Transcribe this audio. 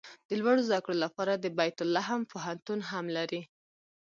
د لوړو زده کړو لپاره د بیت لحم پوهنتون هم لري.